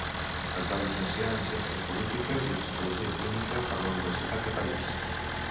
Es va llicenciar en Ciències Polítiques i Psicologia Clínica per la Universitat de París.